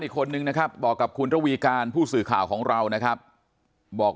อีกคนนึงนะครับบอกกับคุณระวีการผู้สื่อข่าวของเรานะครับบอก